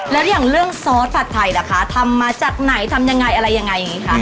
แล้วอย่างเรื่องซอสผัดไทยล่ะคะทำมาจากไหนทำยังไงอะไรยังไงอย่างนี้ค่ะ